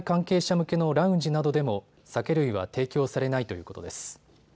向けのラウンジなどでも酒類は提供されないということです。